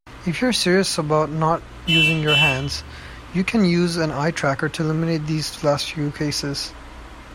If you're serious about not using your hands, you can use an eye tracker to eliminate these last few cases.